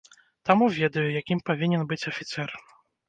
Таму ведаю, якім павінен быць афіцэр.